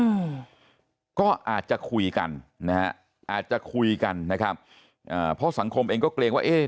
อืมก็อาจจะคุยกันนะฮะอาจจะคุยกันนะครับอ่าเพราะสังคมเองก็เกรงว่าเอ๊ะ